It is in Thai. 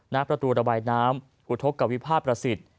น้าประตูระบายน้ำภูทกกวิภาพประสิทธิ์